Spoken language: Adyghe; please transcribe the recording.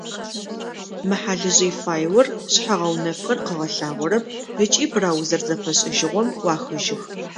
Мы хьалыжъый файлыр шъхьэ-гъэунэфхэр къыгъэлъагъорэп ыкӏи браузэр зэфэшӏыжьыгъом ӏуахыжьых.